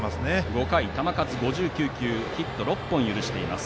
５回、球数５９球ヒット６本許しています。